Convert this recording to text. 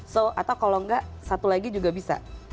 so atau kalau enggak satu lagi juga bisa